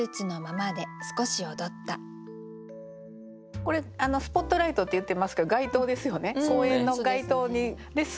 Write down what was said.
これ「スポットライト」って言ってますけど街灯ですよね